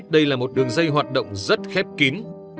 đây là một đường dây hoạt động rất khép kín